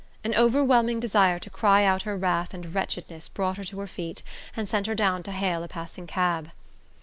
An overwhelming desire to cry out her wrath and wretchedness brought her to her feet and sent her down to hail a passing cab.